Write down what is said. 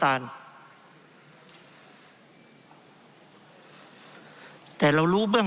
เพราะเรามี๕ชั่วโมงครับท่านนึง